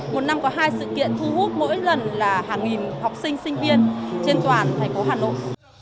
một năm có hai sự kiện thu hút mỗi lần là hàng nghìn học sinh sinh viên trên toàn thành phố hà nội